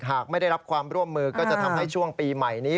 หากไม่ได้รับความร่วมมือก็จะทำให้ช่วงปีใหม่นี้